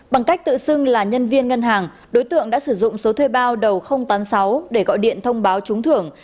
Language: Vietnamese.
bằng cách tự xưng là nhân viên ngân hàng đối tượng đã sử dụng số thuê bao đầu nghìn tám mươi sáu để gọi điện thông báo trúng thưởng